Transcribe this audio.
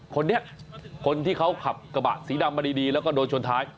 คนนี้คนที่เขาขับกระบะสีดำมาดีแล้วก็โดนชนท้าย